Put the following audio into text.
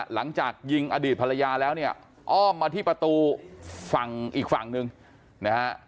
หลังจากยิงอดีตภรรยาแล้วเนี่ยอ้อมมาที่ประตูฝั่งอีกฝั่งหนึ่งนะฮะ